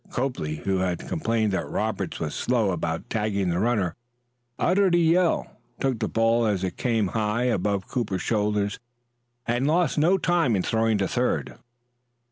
Copley, who had complained that Roberts was slow about tagging the runner, uttered a yell, took the ball as it came high above Cooper's shoulders, and lost no time in throwing to third.